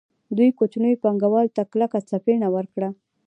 دوی کوچنیو پانګوالو ته کلکه څپېړه ورکړه